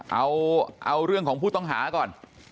เอาเรื่องของผู้ต้องหาก่อน